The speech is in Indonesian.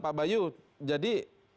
pak bayu jadi